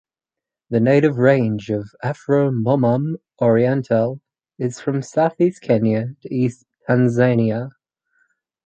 The native range of "Aframomum orientale" is from Southeast Kenya to East Tanzania.